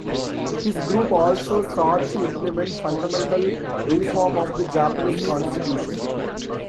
His group also sought to implement fundamental reform of the Japanese constitution.